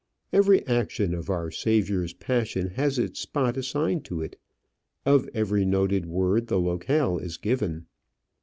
Every action of our Saviour's passion has its spot assigned to it; of every noted word the locale is given.